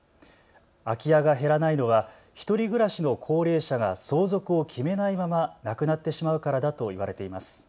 空き家が減らないのは１人暮らしの高齢者が相続を決めないまま亡くなってしまうからだといわれています。